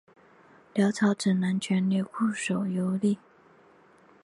辽朝只能全力固守幽蓟。